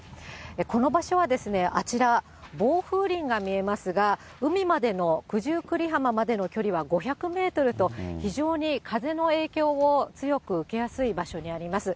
この場所は、あちら、防風林が見えますが、海までの九十九里浜までの距離は５００メートルと、非常に風の影響を強く受けやすい場所にあります。